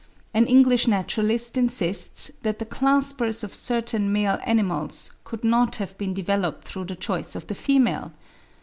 An English naturalist insists that the claspers of certain male animals could not have been developed through the choice of the female!